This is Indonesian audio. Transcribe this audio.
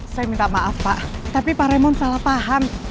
saya minta maaf pak tapi pak remon salah paham